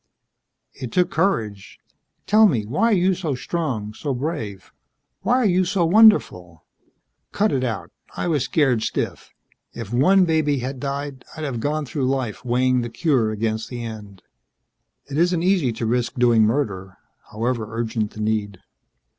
"It took courage. Tell me: why are you so strong, so brave? Why are you so wonderful?" "Cut it out. I was scared stiff. If one baby had died, I'd have gone through life weighing the cure against the end. It isn't easy to risk doing murder however urgent the need."